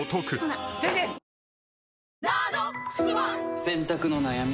え．．．洗濯の悩み？